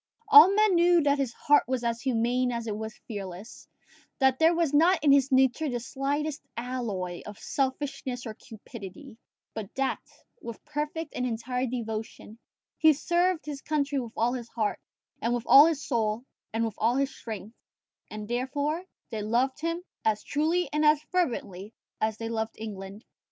All men knew that his heart was as humane as it was fearless; that there was not in his nature the slightest alloy of selfishness or cupidity; but that, with perfect and entire devotion, he served his country with all his heart, and with all his soul, and with all his strength; and therefore, they loved him as truly and as fervently as he loved England.